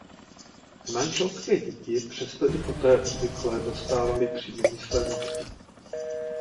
Nemanželské děti přesto i poté obvykle dostávaly příjmení své matky.